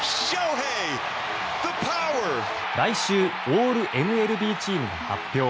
来週オールＭＬＢチームが発表。